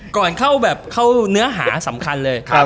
ก่อนเข้าเนื้อหาสำคัญเลย